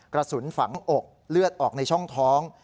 กระสุนฝังอกเลือดออกในช่องท้อง